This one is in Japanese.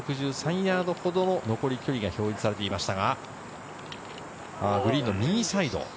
２３６ヤードほど距離が表示されていましたが、グリーンの右サイド。